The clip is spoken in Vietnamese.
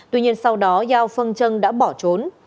tuy nhiên sau đó giao phân trân đã bỏ trốn